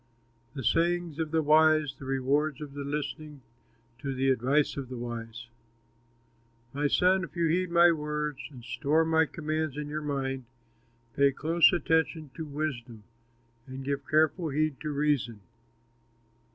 THE SAYINGS OF THE WISE THE REWARDS OF LISTENING TO THE ADVICE OF THE WISE My son, if you heed my words, And store my commands in your mind, Pay close attention to wisdom, And give careful heed to reason.